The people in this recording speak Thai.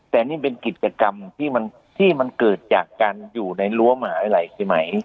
แต่นี่เป็นกิจกรรมที่มันเกิดจากการอยู่ในหัวหมาลัยไหม